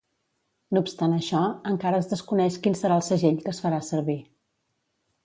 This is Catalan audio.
No obstant això, encara es desconeix quin serà el segell que es farà servir.